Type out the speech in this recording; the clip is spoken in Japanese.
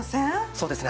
そうですね。